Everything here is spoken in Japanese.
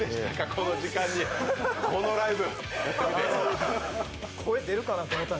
この時間にこのライブ。